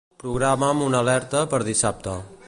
Programa'm una alerta per dissabte.